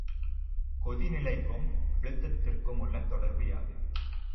கொதிநிலைக்கும் அழுத்தத்திற்குமுள்ள தொடர்பு யாது?